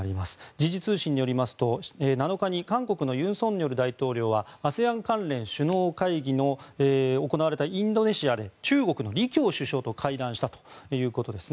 時事通信によりますと７日に韓国の尹錫悦大統領はＡＳＥＡＮ関連首脳会議が行われたインドネシアで中国の李強首相と会談したということです。